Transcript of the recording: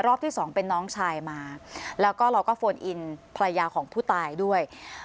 ที่สองเป็นน้องชายมาแล้วก็เราก็โฟนอินภรรยาของผู้ตายด้วย